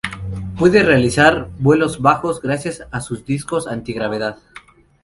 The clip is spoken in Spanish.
Puede realizar vuelos bajos gracias a sus discos anti-gravedad.